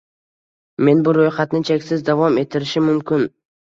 Men bu ro‘yxatni cheksiz davom ettirishim mumkin.